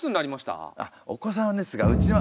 あお子さんですかうちは。